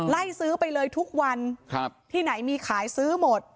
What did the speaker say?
ไล่ซื้อไปเลยทุกวันครับที่ไหนมีขายซื้อหมด